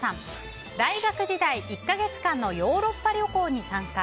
大学時代、１か月間のヨーロッパ旅行に参加。